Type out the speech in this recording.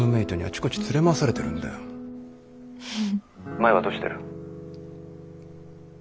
舞はどうしてる？